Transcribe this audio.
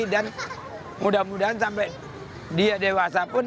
dan mudah mudahan sampai dia dewasa pun